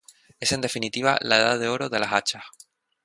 Es en definitiva la ""Edad de Oro"" de las hachas.